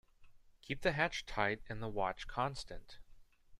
Keep the hatch tight and the watch constant.